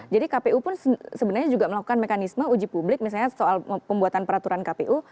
jadi kpu pun sebenarnya juga melakukan mekanisme uji publik misalnya soal pembuatan peraturan kpu